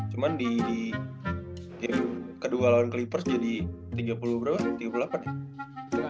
cuma di game kedua lawan clippers jadi tiga puluh berapa tiga puluh delapan ya